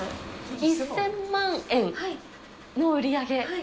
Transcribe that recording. １０００万円の売り上げ。